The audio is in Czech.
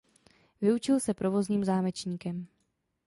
Vyučil se provozním zámečníkem.